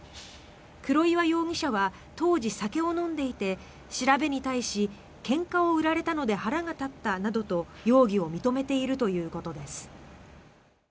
黒岩容疑者は当時、酒を飲んでいて調べに対しけんかを売られたので腹が立ったなどと容疑を認めているということです。